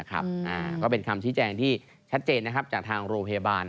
ก็เป็นคำชี้แจงที่ชัดเจนจากทางโรงพยาบาล